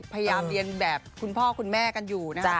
พยายามเรียนแบบคุณพ่อคุณแม่กันอยู่นะคะ